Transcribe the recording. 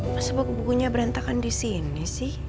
bagaimana bukunya berantakan di sini